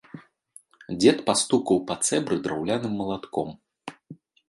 Дзед пастукаў па цэбры драўляным малатком.